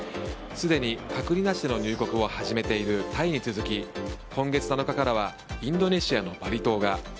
すでに隔離なしの入国を始めているタイに続き、今月７日からはインドネシアのバリ島が。